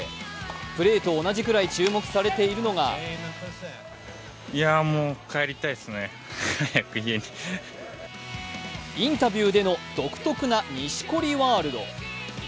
プレーと同じくらい注目されているのがインタビューでの独特な錦織ワールド。